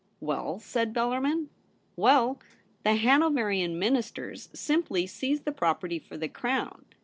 ' Well T said Bellarmin. ' Well ! The Hanoverian Ministers simply seized the property for the Crown.